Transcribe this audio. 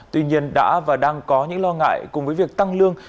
tuy nhiên đã và đang có những lo ngại cùng với việc tăng lương